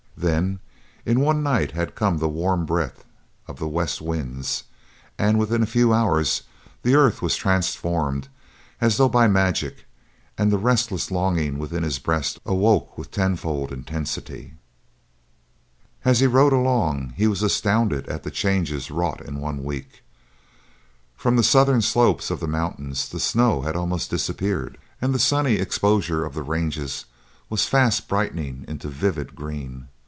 Then, in one night had come the warm breath of the west winds, and within a few hours the earth was transformed as though by magic, and the restless longing within his breast awoke with tenfold intensity. As he rode along he was astounded at the changes wrought in one week. From the southern slopes of the mountains the snow had almost disappeared and the sunny exposures of the ranges were fast brightening into vivid green.